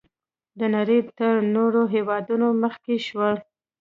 د نړۍ تر نورو هېوادونو مخکې شول.